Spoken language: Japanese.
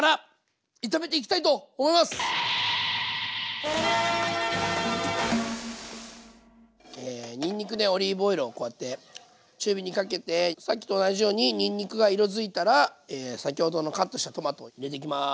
ここからにんにくでオリーブオイルをこうやって中火にかけてさっきと同じようににんにくが色づいたら先ほどのカットしたトマトを入れていきます。